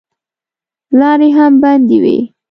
لارې هم بندې وې.